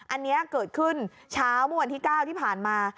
อันนี้เกิดขึ้นเช้าเมื่อวันที่๙ที่ผ่านมา